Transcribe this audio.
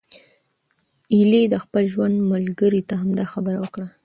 ایلي د خپل ژوند ملګری ته همدا خبره وکړه.